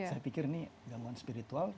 saya pikir ini gangguan spiritual